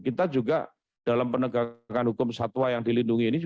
kita juga dalam penegakan hukum satwa yang dilindungi ini